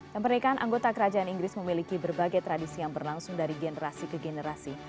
dan pernikahan anggota kerajaan inggris memiliki berbagai tradisi yang berlangsung dari generasi ke generasi